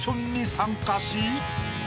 参加し］